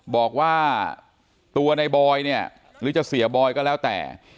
บอกว่าตัวในบอยเนี่ยหรือจะเสียบอยก็แล้วแต่